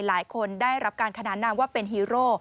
หลายคนได้รับการขนานนามว่าเป็นฮีโร่